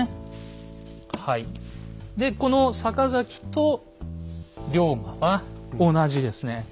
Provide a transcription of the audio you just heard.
でこの坂崎と龍馬は同じですね